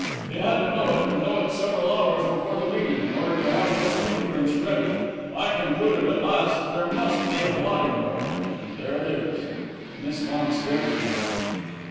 He had to know it, and know it several hours before the meeting, in order to have those finger prints ready. I concluded, at last, that there must be a blotting book and there it is." Miss Vaughan stared at him.